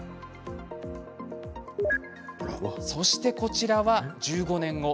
そして、こちらは１５年後。